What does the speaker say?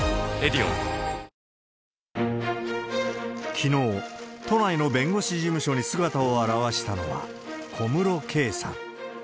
きのう、都内の弁護士事務所に姿を現したのは、小室圭さん。